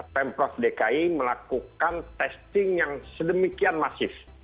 pemprov dki melakukan testing yang sedemikian masif